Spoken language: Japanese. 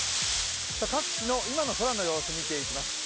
各地の今の空の様子見ていきます。